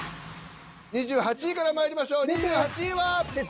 ２８位からまいりましょう２８位は。